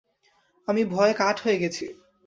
আমি ভয়ে কাঠ হয়ে গেছি।